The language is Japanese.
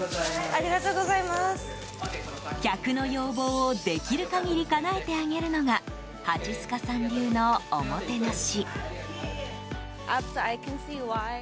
客の要望を、できる限りかなえてあげるのが蜂須賀さん流のおもてなし。